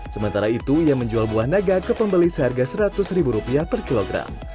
sementara itu ia menjual buah naga ke pembeli seharga rp seratus per kilogram